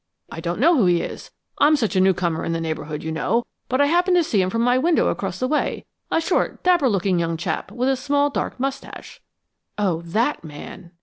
"I don't know who he is I'm such a newcomer in the neighborhood, you know; but I happened to see him from my window across the way a short, dapper looking young chap with a small, dark mustache." "Oh! that man."